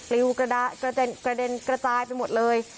ลิวกระเด็นกระจายไปหมดเลย